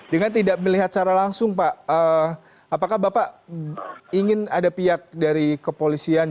dengan tidak melihat secara langsung pak apakah bapak ingin ada pihak dari kepolisian